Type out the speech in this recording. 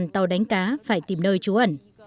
năm mươi tàu đánh cá phải tìm nơi trú ẩn